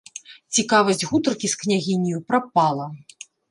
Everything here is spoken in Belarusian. Цікавасць гутаркі з княгіняю прапала.